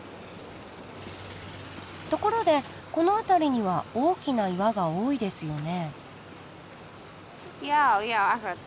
ところでこの辺りには大きな岩が多いですよね？